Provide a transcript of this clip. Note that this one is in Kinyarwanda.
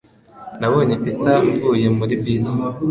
Nabonye Peter mvuye muri bisi